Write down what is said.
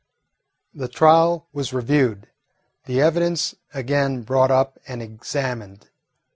The trial was reviewed; the evidence again brought up and examined.